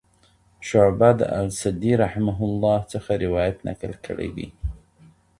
شعبة د السدي رحمهم الله څخه روايت نقل کړی دی.